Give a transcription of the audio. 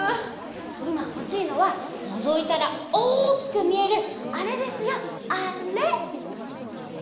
いまほしいのはのぞいたらおおきくみえるあれですよあれ！